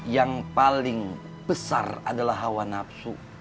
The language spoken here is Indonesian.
yang paling besar adalah hawa nafsu